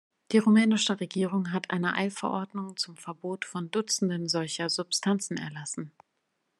Die rumänische Regierung hat eine Eilverordnung zum Verbot von dutzenden solcher Substanzen erlassen.